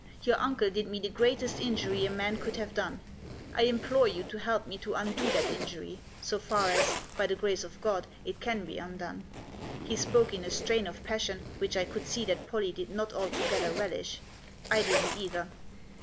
Your uncle did me the greatest injury a man could have done. I implore you to help me to undo that injury, so far as, by the grace of God, it can be undone." He spoke in a strain of passion which I could see that Pollie did not altogether relish. I didn't either.